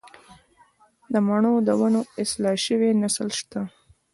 د مڼو د ونو اصلاح شوی نسل شته